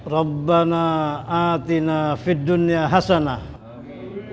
rabbana atina fid dunya hasanah